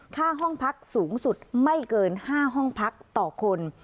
ห้องพักสูงสุดไม่เกิน๕ห้องพักต่อคน